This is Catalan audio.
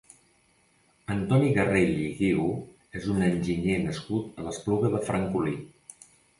Antoni Garrell i Guiu és un enginyer nascut a l'Espluga de Francolí.